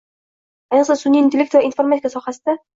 Ayniqsa, sunʼiy intellekt va informatika sohasida.